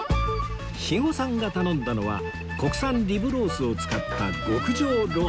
肥後さんが頼んだのは国産リブロースを使った極上ロースかつ